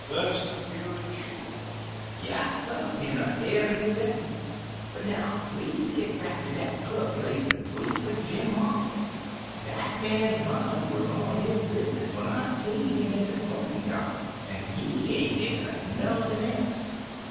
"Rusty, you're a jewel!" "Yassir, in a ebony settin'! But, now, please git back to dat club place, an' wait fer Jim Marcum. Dat man's mind was on his bizness when I seen him in de smokin' cyar, an' he ain't thinkin' of nothin' else!"